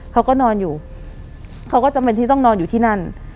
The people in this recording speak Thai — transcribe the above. เขาก็นอนอยู่เขาก็จำเป็นที่ต้องนอนอยู่ที่นั่น